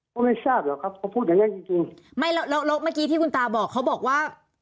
ก็ไม่ทราบหรอกครับเขาพูดอย่างงั้นจริงจริงไม่แล้วแล้วเมื่อกี้ที่คุณตาบอกเขาบอกว่า